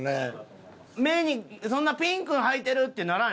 目にそんなピンクのはいてるってならんよな。